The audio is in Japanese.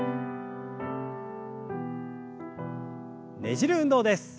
ねじる運動です。